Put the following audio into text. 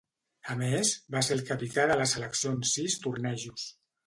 A més, va ser el capità de la selecció en sis tornejos.